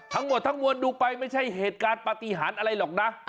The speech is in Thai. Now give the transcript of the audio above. ทั้งหมดทั้งมวลดูไปไม่ใช่เหตุการณ์ปฏิหารอะไรหรอกนะ